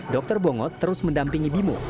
dr bongo terus mendampingi bimo